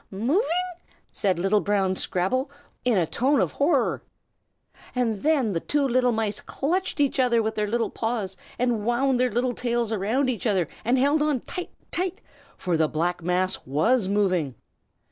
"Moving?" said little brown Scrabble, in a tone of horror. And then the two little mice clutched each other with their little paws, and wound their little tails round each other, and held on tight, tight, for the black mass was moving!